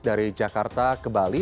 dari jakarta ke bali